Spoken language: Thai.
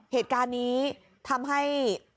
เหตุการณ์นี้ทำให้